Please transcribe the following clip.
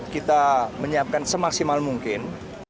kita menyiapkan semaksimal mungkin